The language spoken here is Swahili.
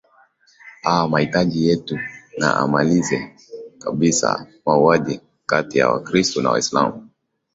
aa mahitaji yetu na amalize kabisa mauaji kati ya wakristo na waislamu